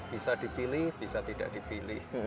bisa dipilih bisa tidak dipilih